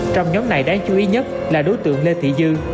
trong nhóm này đáng chú ý nhất là đối tượng lê thị dư